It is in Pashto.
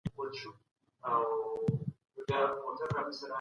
د انسان شخصیت د پوهي په رڼا کي جوړېږي.